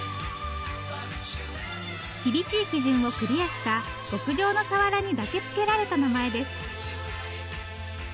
厳しい基準をクリアした極上のサワラにだけ付けられた名前です。